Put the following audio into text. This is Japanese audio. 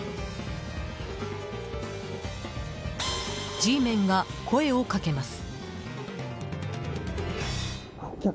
Ｇメンが声をかけます。